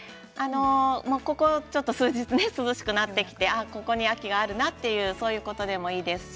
ここ数日、ちょっと涼しくなってきて、ここに秋があるなということでもいいです。